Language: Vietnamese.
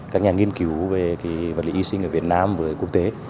các nhà nghiên cứu về vật lý y sinh ở việt nam với quốc tế